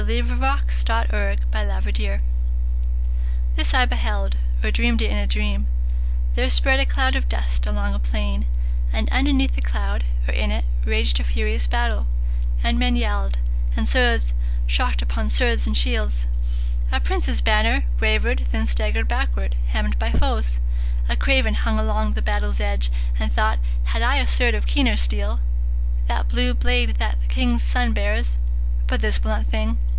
Edward Rowland Sill Opportunity THIS I beheld, or dreamed it in a dream: There spread a cloud of dust along a plain; And underneath the cloud, or in it, raged A furious battle, and men yelled, and swords Shocked upon swords and shields. A prince's banner Wavered, then staggered backward, hemmed by foes. A craven hung along the battle's edge, And thought, "Had I a sword of keener steel That blue blade that the king's son bears, but this Blunt thing